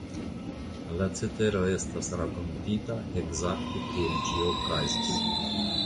La cetero estas rakontita ekzakte kiel ĝi okazis.